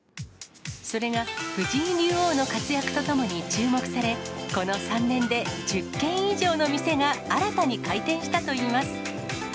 それが、藤井竜王の活躍とともに注目され、この３年で、１０件以上の店が新たに開店したといいます。